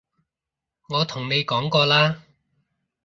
我同你講過啦